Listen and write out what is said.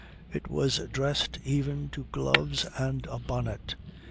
It was dressed even to gloves and a bonnet.